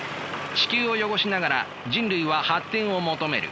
地球を汚しながら人類は発展を求める。